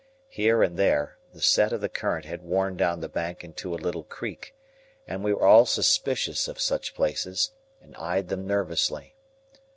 Here and there, the set of the current had worn down the bank into a little creek, and we were all suspicious of such places, and eyed them nervously.